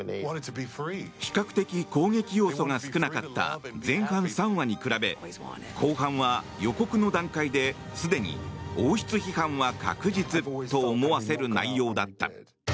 比較的、攻撃要素が少なかった前半３話に比べ後半は予告の段階で、すでに王室批判は確実と思わせる内容だった。